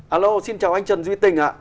alo xin chào anh trần duy tình ạ